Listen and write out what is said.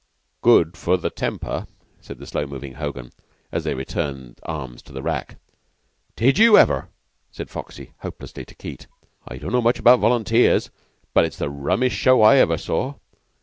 "Good for the temper," said the slow moving Hogan, as they returned arms to the rack. "Did you ever?" said Foxy, hopelessly, to Keyte. "I don't know much about volunteers, but it's the rummiest show I ever saw.